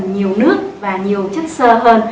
nhiều nước và nhiều chất sơ hơn